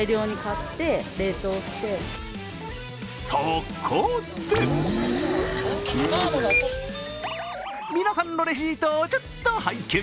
そこで、皆さんのレシートをちょっと拝見。